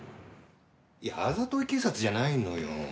いやあざとい警察じゃないのよ。